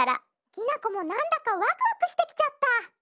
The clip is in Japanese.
きなこもなんだかわくわくしてきちゃった。